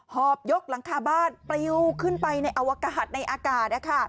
อบยกหลังคาบ้านปลิวขึ้นไปในอวกาหัสในอากาศ